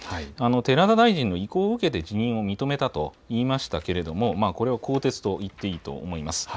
寺田大臣の意向を受けて辞任を認めたと言いましたけれどもこれは更迭と言っていいと思います。